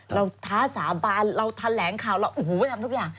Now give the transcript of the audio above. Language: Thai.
ท้าสาบานเราแถลงข่าวเราโอ้โหทำทุกอย่าง